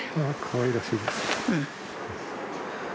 かわいらしいです。